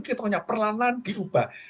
kita punya perlanaan diubah